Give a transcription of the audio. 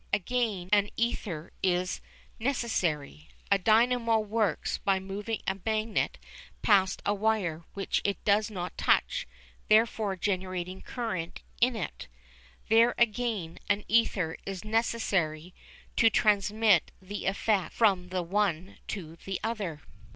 Again an ether is necessary. A dynamo works by moving a magnet past a wire which it does not touch, thereby generating current in it. There again an ether is necessary to transmit the effect from the one to the other.